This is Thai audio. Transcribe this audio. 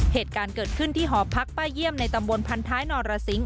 เหตุการณ์เกิดขึ้นที่หอพักป้าเยี่ยมในตำบลพันท้ายนรสิงห